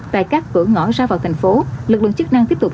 tại các cửa ngõ ra vào thành phố lực lượng chức năng tiếp tục